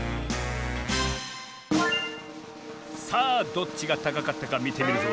さあどっちがたかかったかみてみるぞ。